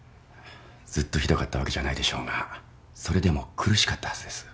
ずっとひどかったわけじゃないでしょうがそれでも苦しかったはずです。